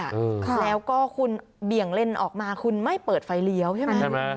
แล้วก็คุณบี่ยังเล่นออกมาไม่เปิดไฟเหลียวใช่ไหม